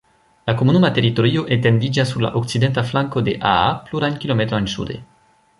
La komunuma teritorio etendiĝas sur la okcidenta flanko de Aa plurajn kilometrojn sude.